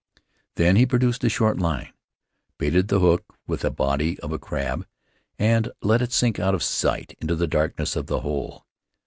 Then he produced a short line, baited the hook with a body of a crab, and let it sink out of sight into the darkness of the hole.